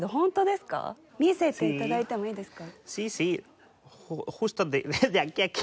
見せて頂いてもいいですか？